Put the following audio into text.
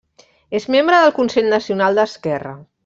És membre del Consell Nacional d’Esquerra.